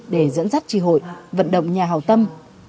để dẫn dắt tri hội vận động nhà hào tâm